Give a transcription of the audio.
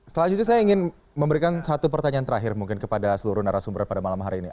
selanjutnya saya ingin memberikan satu pertanyaan terakhir mungkin kepada seluruh narasumber pada malam hari ini